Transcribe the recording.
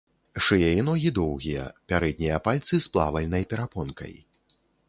Шыя і ногі доўгія, пярэднія пальцы з плавальнай перапонкай.